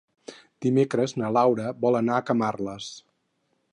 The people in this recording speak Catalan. Dimecres na Laura vol anar a Camarles.